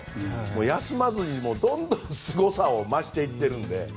休まずにどんどんすごさを増していってるので。